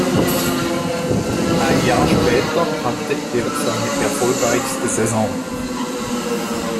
Ein Jahr später hatte er seine erfolgreichste Saison.